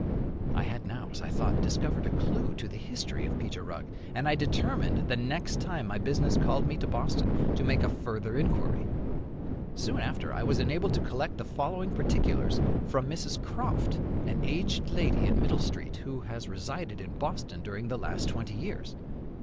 I had now, as I thought, discovered a clue to the history of Peter Rugg, and I determined, the next time my business called me to Boston, to make a further inquiry. Soon after I was enabled to collect the following particulars from Mrs. Croft, an aged lady in Middle Street, who has resided in Boston during the last twenty years.